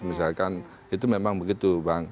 misalkan itu memang begitu bang